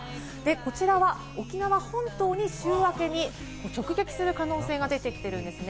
こちらは沖縄本島に週明けに直撃する可能性が出てきてるんですね。